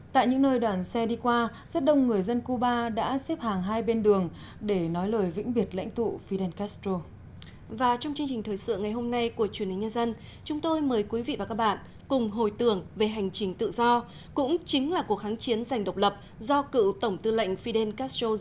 tại những nơi đoàn xe đi qua rất đông người dân cuba đã xếp hàng hai bên đường để nói lời vĩnh biệt lãnh tụ fidel castro